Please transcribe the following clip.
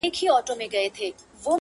لښکر پردی وي خپل پاچا نه لري!!